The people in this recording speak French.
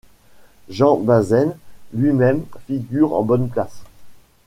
Jean Bazaine lui-même figure en bonne place.